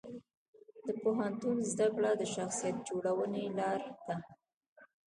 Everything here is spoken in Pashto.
د پوهنتون زده کړه د شخصیت جوړونې لار ده.